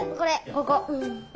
ここ。